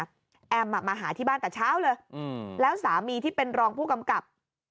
ตอนเช้าเนี่ยนะแอมมาหาที่บ้านต่อเช้าเลยแล้วสามีที่เป็นรองผู้กำกลับ